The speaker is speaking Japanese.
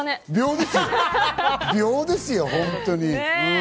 秒ですよ、本当に。